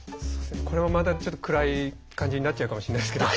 これもまたちょっと暗い感じになっちゃうかもしんないですけど。